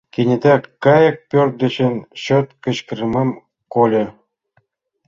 Кенета кайык пӧрт дечын чот кычкырымым кольо.